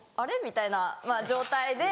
みたいな状態で。